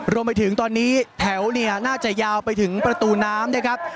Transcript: รวมไปถึงตอนนี้แถวน่าจะยาวไปถึงประตูน้ำ